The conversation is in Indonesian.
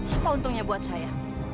apa untungnya buat saya